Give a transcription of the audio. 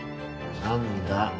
何だ